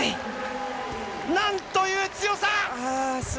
なんという強さ！